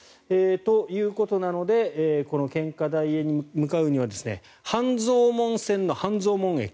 ということなのでこの献花台に向かうには半蔵門線の半蔵門駅